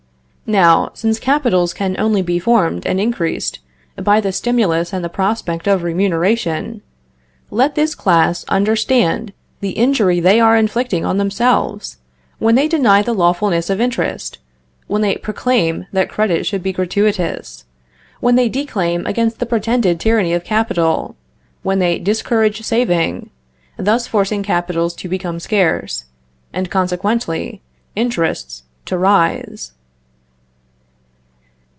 Now, since capitals can only be formed and increased by the stimulus and the prospect of remuneration, let this class understand the injury they are inflicting on themselves, when they deny the lawfulness of interest, when they proclaim that credit should be gratuitous, when they declaim against the pretended tyranny of capital, when they discourage saving, thus forcing capitals to become scarce, and consequently interests to rise.